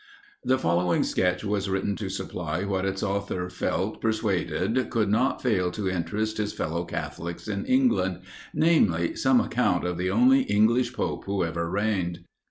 The following sketch was written to supply what its author felt persuaded could not fail to interest his fellow Catholics in England; namely, some account of the only English Pope who ever reigned.